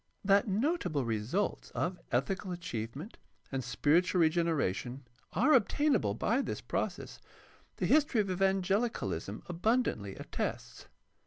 That notable results of ethical achievement and spiritual regeneration are obtainable by this process the history of evangehcalism abundantly attests.